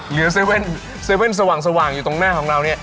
เหลือเซเว่นสว่างอยู่ตรงหน้าของเราเนี่ย